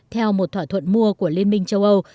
theo một thỏa thuận mua của liên minh châu âu